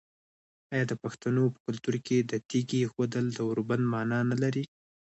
آیا د پښتنو په کلتور کې د تیږې ایښودل د اوربند معنی نلري؟